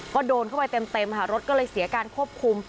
ก็โดนเข้าไปเต็มค่ะรถก็เลยเสียการควบคุม